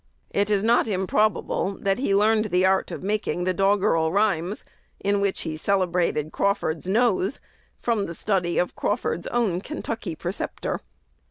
It is not improbable that he learned the art of making the doggerel rhymes in which he celebrated Crawford's nose from the study of Crawford's own "Kentucky Preceptor."